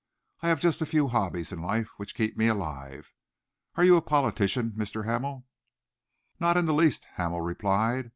I have just a few hobbies in life which keep me alive. Are you a politician, Mr. Hamel?" "Not in the least," Hamel replied.